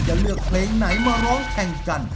จะเลือกเพลงไหนมาร้องแข่งกัน